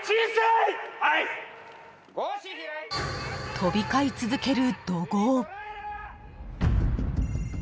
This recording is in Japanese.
［飛び交い続ける］